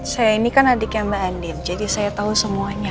saya ini kan adiknya mbak andin jadi saya tahu semuanya